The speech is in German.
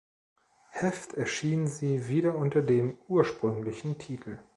Heft erschien sie wieder unter dem ursprünglichen Titel.